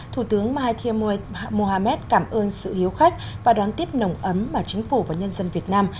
thủ tướng mahathir mohamed cảm ơn sự hiếu khách và đón tiếp nồng ấm mà chính phủ và nhân dân việt nam